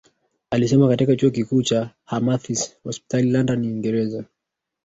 Alisoma katika chuo kikuu cha Hamathmiss Hospital London Uingereza